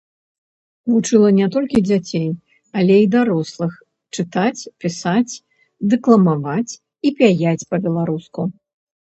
Вучыла не толькі дзяцей, але й дарослых чытаць, пісаць, дэкламаваць і пяяць па-беларуску.